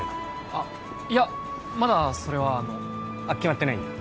あっいやまだそれはあのあっ決まってないんだ